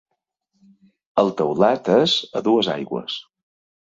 El teulat és a dues aigües.